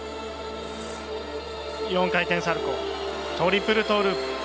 ４回転サルコートリプルトーループ。